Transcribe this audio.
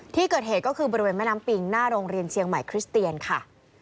ที่เกิดเหตุก็คือบริเวณแม่น้ำปิงหน้าโรงเรียนเชียงใหม่คริสเตียนค่ะ